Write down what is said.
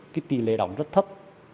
cái tỷ lệ đóng rất thấp